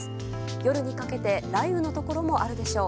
夜にかけて雷雨のところもあるでしょう。